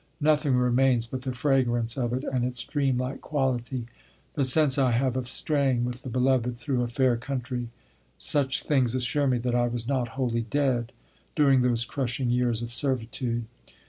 Nothing remains but the fragrance of it, and its dream like quality, the sense I have of straying with the beloved through a fair country. Such things assure me that I was not wholly dead during those crushing years of servitude.